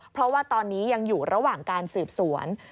เพราะว่าตอนนี้ยังอยู่ระหว่างการสืบสวน